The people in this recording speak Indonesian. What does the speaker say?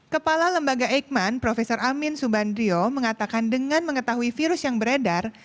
kepala lembaga eijkman prof amin subandrio mengatakan dengan mengetahui virus yang beredar